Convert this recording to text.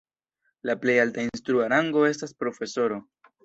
La plej alta instrua rango estas profesoro.